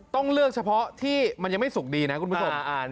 ต้องเลือกเฉพาะที่มันยังไม่สุกดีนะคุณผู้ชม